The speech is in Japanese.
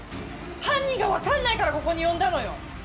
犯人が分かんないからここに呼んだのよ。